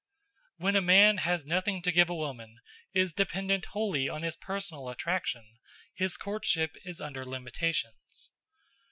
When a man has nothing to give a woman, is dependent wholly on his personal attraction, his courtship is under limitations.